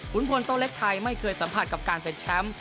คุณพลโตเล็กไทยไม่เคยสัมผัสกับการเป็นแชมป์